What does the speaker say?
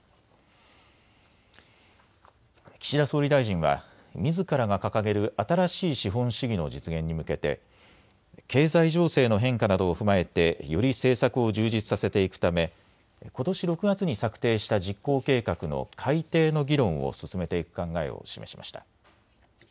岸田総理大臣はみずからが掲げる新しい資本主義の実現に向けて経済情勢の変化などを踏まえてより政策を充実させていくためことし６月に策定した実行計画の改定の議論を進めていく考えを示しました。